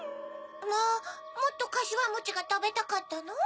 まぁもっとかしわもちがたべたかったの？